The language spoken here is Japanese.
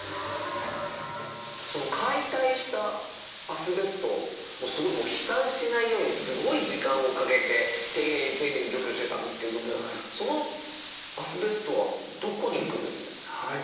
その解体したアスベストもうすごいもう飛散しないようにすごい時間をかけて丁寧に丁寧に除去してたんですけれどもそのはい。